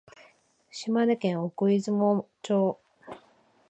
島根県奥出雲町